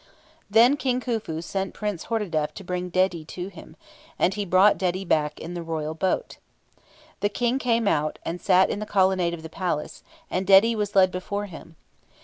Then King Khufu sent Prince Hordadef to bring Dedi to him, and he brought Dedi back in the royal boat. The King came out, and sat in the colonnade of the palace, and Dedi was led before him.